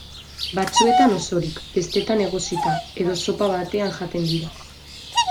Batzuetan osorik, bestetan egosita edo zopa batean jaten dira.